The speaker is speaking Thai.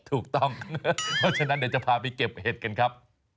ถูกต้องเพราะฉะนั้นเดี๋ยวจะพาไปเก็บเห็ดกันครับ